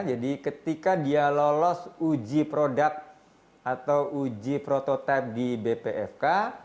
jadi ketika dia lolos uji produk atau uji prototipe di bpfk